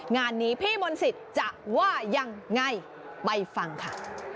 งานนี้พี่มนต์สิทธิ์จะว่ายังไงไปฟังค่ะ